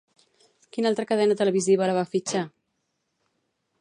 Quina altra cadena televisiva la va fitxar?